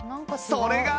それが